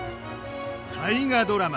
大河ドラマ